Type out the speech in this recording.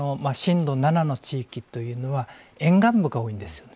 震度７の地域というのは沿岸部が多いんです。